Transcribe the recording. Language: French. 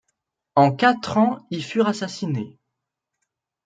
En quatre ans y furent assassinées.